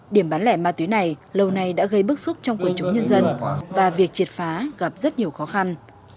điểm bán lẻ ma túy này lâu nay đã gây bức xúc trong quần chúng nhân dân và việc triệt phá gặp rất nhiều khó khăn